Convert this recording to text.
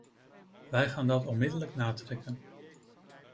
Wij gaan dat onmiddellijk natrekken.